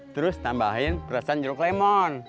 terus tambahin perasaan jeruk lemon